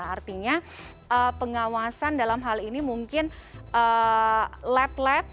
artinya pengawasan dalam hal ini mungkin lab lab